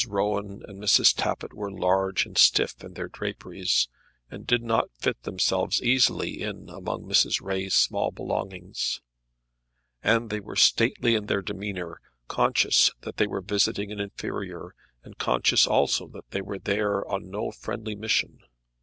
Rowan and Mrs. Tappitt were large and stiff in their draperies, and did not fit themselves easily in among Mrs. Ray's small belongings; and they were stately in their demeanour, conscious that they were visiting an inferior, and conscious also that they were there on no friendly mission.